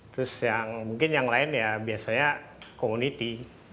terus yang mungkin yang lain ya biasanya community